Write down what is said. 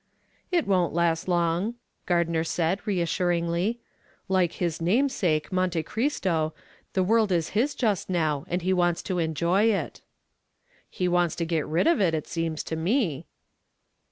"It won't last long," Gardner said, reassuringly. "Like his namesake, Monte Cristo, the world is his just now and he wants to enjoy it." "He wants to get rid of it, it seems to me."